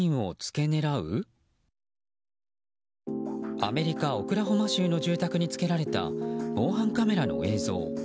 アメリカ・オクラホマ州の住宅につけられた防犯カメラの映像。